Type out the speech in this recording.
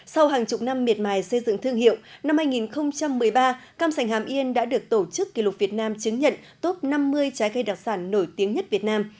sau hàng chục năm miệt mài xây dựng thương hiệu năm hai nghìn một mươi ba cam sành hàm yên đã được tổ chức kỷ lục việt nam chứng nhận top năm mươi trái cây đặc sản nổi tiếng nhất việt nam